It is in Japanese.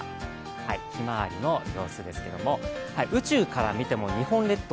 ひまわりの様子ですけど宇宙から見ても日本列島